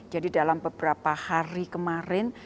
jadi dalam beberapa hari kemarin